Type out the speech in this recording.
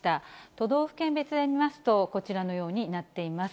都道府県別で見ますと、こちらのようになっています。